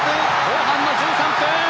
後半の１３分！